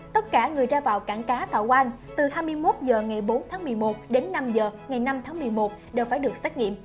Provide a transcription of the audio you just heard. tất cả người ra vào cảng cá thọ quang từ hai mươi một h ngày bốn tháng một mươi một đến năm h ngày năm tháng một mươi một đều phải được xét nghiệm